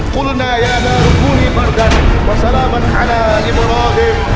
kulna ya narukuni bargan wassalamu ala ibrahim